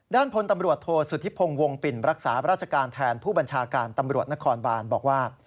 ด้านพลตำรวจโทษสุธิพงศ์วงปิ่นรักษาราชการแทนผู้บัญชาการตำรวจนครบานบอกว่า